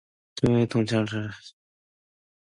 동혁이가 장지를 탁 닫고 나갈 때까지 기천은 달싹도 아니 하고 앉았다.